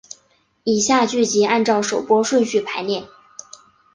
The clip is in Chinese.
以下剧集按照首播顺序排列。